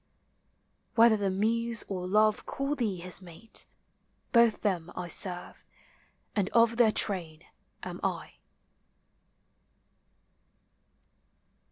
Whether the Muse or Love call thee his mate, Both them I serve, and of their train am I.